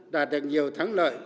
đạt được nhiều thắng lợi